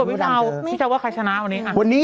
เอาอย่างนี้กว่าพี่เท้าพี่เท้าว่าใครชนะวันนี้